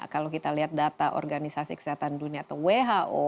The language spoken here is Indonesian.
kalau kita lihat data organisasi kesehatan dunia atau who